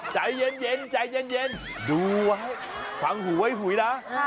ใจเย็นใจเย็นดูไว้ฟังหูไว้หุยนะ